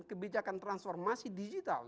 kebijakan transformasi digital